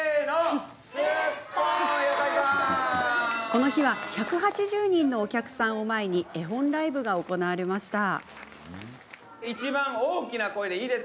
この日は、１８０人のお客さんを前に、絵本ライブが行われました。